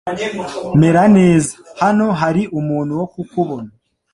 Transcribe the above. Meraneza, hano hari umuntu wo kukubona .